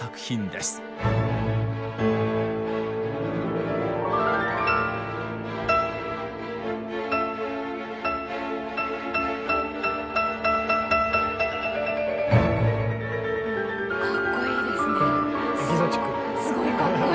すごいかっこいい！